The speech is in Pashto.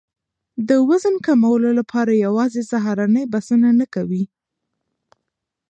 د وزن کمولو لپاره یوازې سهارنۍ بسنه نه کوي.